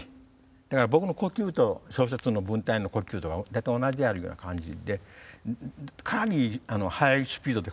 だから僕の呼吸と小説の文体の呼吸とが大体同じであるような感じでかなり速いスピードで書くんですよ。